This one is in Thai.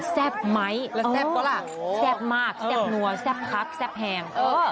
แซ่บไหมแล้วแซ่บก็ล่ะโหแซ่บมากแซ่บนัวแซ่บคักแซ่บแหงเออ